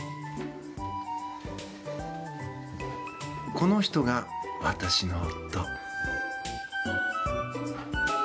この人が、私の夫。